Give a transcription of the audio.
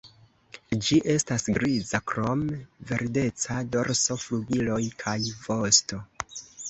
Ĝi estas griza, krom verdeca dorso, flugiloj kaj vosto.